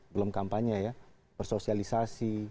belum kampanye ya bersosialisasi